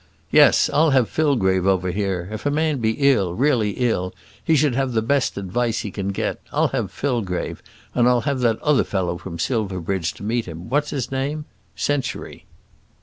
"Yes; I'll have Fillgrave over here. If a man be ill, really ill, he should have the best advice he can get. I'll have Fillgrave, and I'll have that other fellow from Silverbridge to meet him. What's his name? Century."